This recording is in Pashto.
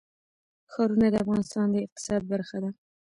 ښارونه د افغانستان د اقتصاد برخه ده.